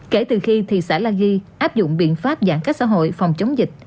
kể từ khi thị xã la ghi áp dụng biện pháp giãn cách xã hội phòng chống dịch